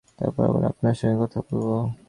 তারপর আবার আপনার সঙ্গে কথা বলব।